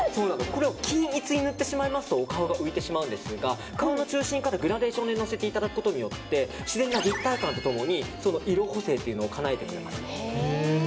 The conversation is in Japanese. これを均一に塗ってしまうとお顔が浮いてしまうんですが顔の中心からグラデーションでのせていただくことによって自然な立体感と共に色補正をかなえてくれます。